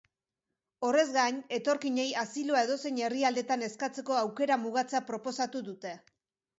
Horrez gain, etorkinei asiloa edozein herrialdetan eskatzeko aukera mugatzea proposatu dute.